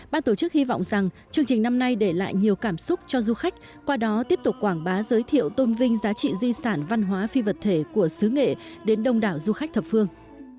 ban tổ chức hy vọng rằng chương trình năm nay để lại nhiều cảm xúc cho du khách qua đó tiếp tục quảng bá giới thiệu tôn vinh giá trị di sản văn hóa phi vật thể của xứ nghệ đến đông đảo du khách thập phương